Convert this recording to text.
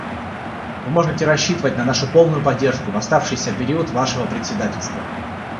Вы можете рассчитывать на нашу полную поддержку в оставшийся период вашего председательства.